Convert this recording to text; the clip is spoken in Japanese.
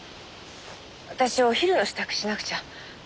私お昼の支度しなくちゃ。